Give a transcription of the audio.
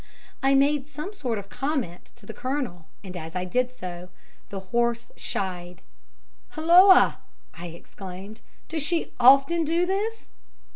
I made some sort of comment to the Colonel, and as I did so the horse shied. "Hulloa!" I exclaimed. "Does she often do this?"